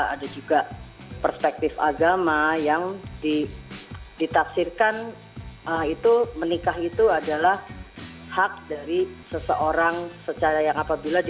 ada juga perspektif agama yang ditafsirkan itu menikah itu adalah hak dari seseorang secara yang apabila dia